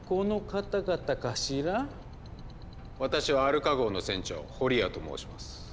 私はアルカ号の船長フォリアと申します。